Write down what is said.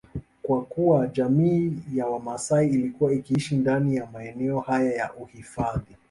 Kwa kuwa jamii ya wamaasai ilikuwa ikiishi ndani ya maeneo haya ya uhifadhi